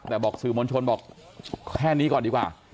แต่บอกสื่อมวลชนบอกแค่นี้ก่อนดีกว่า